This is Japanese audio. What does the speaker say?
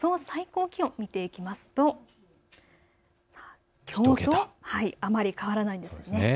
最高気温を見ていきますときょうとあまり変わらないです。